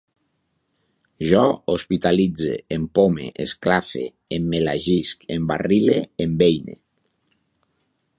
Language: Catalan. Jo hospitalitze, empome, esclafe, emmelangisc, embarrile, embeine